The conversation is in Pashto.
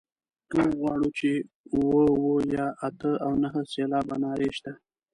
که وغواړو چې اووه اووه یا اته او نهه سېلابه نارې شته.